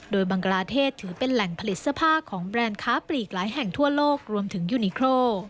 โดยบังกลาเทศถือเป็นแหล่งผลิตเสื้อผ้าของแบรนด์ค้าปลีกหลายแห่งทั่วโลกรวมถึงยูนิโคร